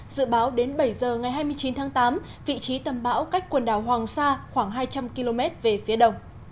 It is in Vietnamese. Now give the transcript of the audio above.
dự báo đến bảy giờ ngày hai mươi chín tháng tám vị trí tầm bão cách quần đảo hoàng sa khoảng hai trăm linh km về phía đông